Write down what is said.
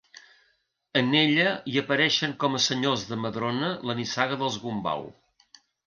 En ella hi apareixen com a senyors de Madrona la nissaga dels Gombau.